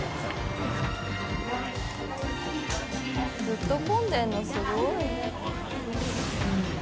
ずっと混んでるのすごい。